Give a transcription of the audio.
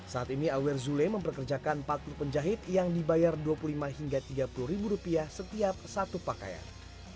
saat ini awer zule memperkerjakan empat puluh penjahit yang dibayar dua puluh lima hingga tiga puluh ribu rupiah setiap satu pakaian